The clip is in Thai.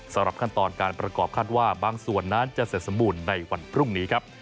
สำหรับขั้นตอนการประกอบคาดว่าบางส่วนนั้นจะเสร็จสมบูรณ์ในวันพรุ่งนี้ครับ